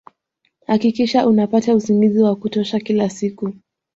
Hakikisha unapata usingizi wa kutosha kila siku